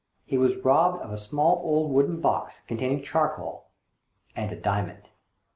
He was robbed of a small old wooden box, containing charcoal and — a diamond.